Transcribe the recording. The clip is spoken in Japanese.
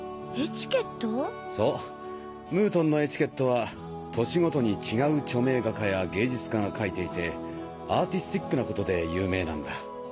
そうムートンのエチケットは年ごとに違う著名画家や芸術家が描いていてアーティスティックなことで有名なんだ。